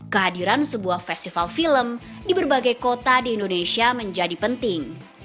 kehadiran sebuah festival film di berbagai kota di indonesia menjadi penting